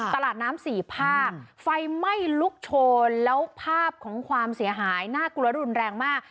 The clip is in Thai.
ตลาดน้ำสี่ภาคไฟไหม้ลุกโชนแล้วภาพของความเสียหายน่ากลัวและรุนแรงมาก